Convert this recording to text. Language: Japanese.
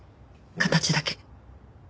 形だけ。